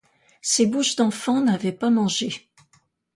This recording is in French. Ces bouches d’enfants n’avaient pas mangé.